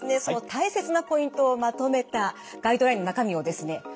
その大切なポイントをまとめたガイドラインの中身をですね